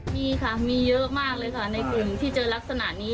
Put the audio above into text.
มีค่ะมีเยอะมากเลยค่ะในกลุ่มที่เจอลักษณะนี้